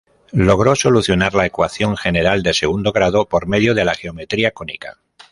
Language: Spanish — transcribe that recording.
Logró solucionar la ecuación general de segundo grado por medio de la geometría cónica.